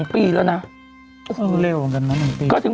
ไปฝึกทหารจริง